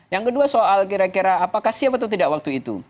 yang kedua soal kira kira apakah siap atau tidak waktu itu